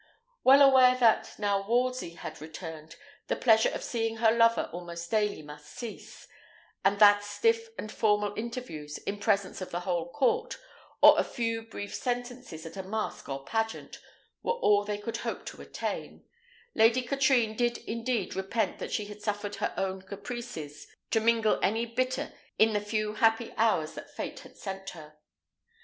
Well aware that, now Wolsey had returned, the pleasure of seeing her lover almost daily must cease; and that stiff and formal interviews, in presence of the whole court, or a few brief sentences at a mask or pageant, were all they could hope to attain; Lady Katrine did indeed repent that she had suffered her own caprices to mingle any bitter in the few happy hours that Fate had sent her.